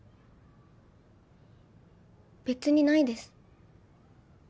別にないです。